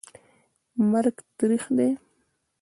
مرګ تریخ دي